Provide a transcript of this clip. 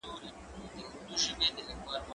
ته ولي چپنه پاکوې،